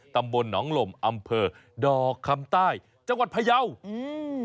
ตำบลนองลมอำเภอดคำใต้จังหวัดพระเยาะ